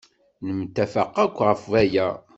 Nemtafaq akk ɣef waya.